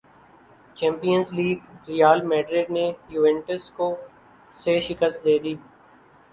champions League Real Madrid نے Juventus کو سے شکست دے دی